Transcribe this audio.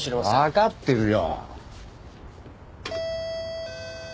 わかってるよ。